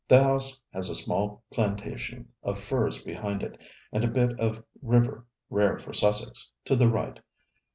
The house has a small plantation of firs behind it, and a bit of river rare for Sussex to the right.